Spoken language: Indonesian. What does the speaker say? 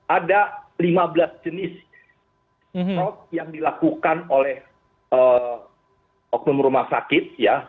ada lima belas jenis yang dilakukan oleh oknum rumah sakit ya